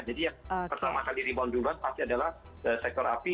jadi yang pertama kali rebound duluan pasti adalah sektor api